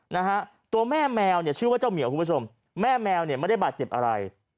นะฮะตัวแม่แมวเนี่ยชื่อว่าเจ้าเหมียวคุณผู้ชมแม่แมวเนี่ยไม่ได้บาดเจ็บอะไร